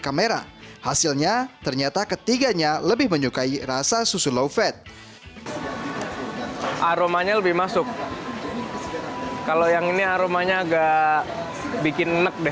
dan mereka diharuskan menunjukkan susu yang paling mereka sukai ke kamera